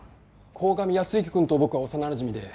鴻上靖之くんと僕は幼なじみで。